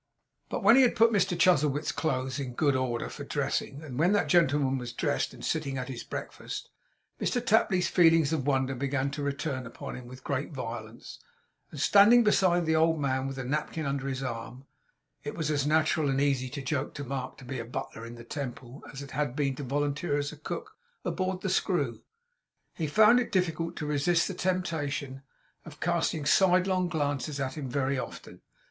But when he had put Mr Chuzzlewit's clothes in good order for dressing, and when that gentleman was dressed and sitting at his breakfast, Mr Tapley's feelings of wonder began to return upon him with great violence; and, standing beside the old man with a napkin under his arm (it was as natural and easy to joke to Mark to be a butler in the Temple, as it had been to volunteer as cook on board the Screw), he found it difficult to resist the temptation of casting sidelong glances at him very often.